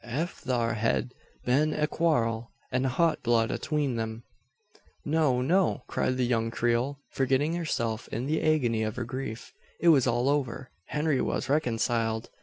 Ef thar hed been a quarrel an hot blood atween them " "No no!" cried the young Creole, forgetting herself in the agony of her grief. "It was all over. Henry was reconciled.